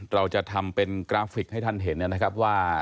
เราจะทำเป็นกราฟิกให้ท่านเห็นนะครับว่า